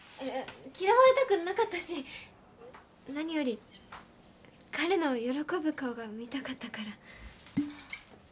嫌われたくなかったし何より彼の喜ぶ顔が見たかったから。